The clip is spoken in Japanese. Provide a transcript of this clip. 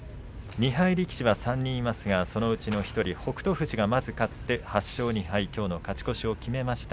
２敗力士は３人いますがそのうちの１人北勝富士が勝って勝ち越しを決めました。